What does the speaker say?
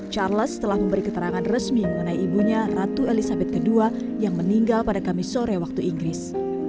charles telah memberi keterangan resmi mengenai ibunya ratu elizabeth ii yang meninggal pada kamis sore waktu inggris